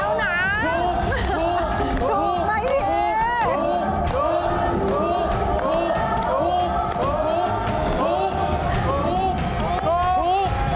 ถูกไหมพี่เอ๊